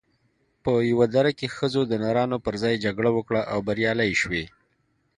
په یوه دره کې ښځو د نرانو پر ځای جګړه وکړه او بریالۍ شوې